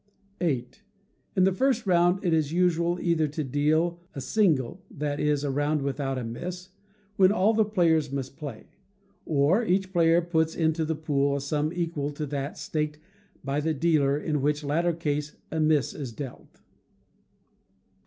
viii. In the first round it is usual either to deal a single; that is, a round without a miss, when all the players must play; or each player puts into the pool a sum equal to that staked by the dealer in which latter case a miss is dealt.